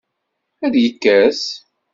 Ad yekkes?